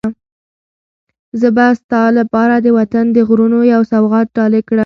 زه به ستا لپاره د وطن د غرونو یو سوغات ډالۍ کړم.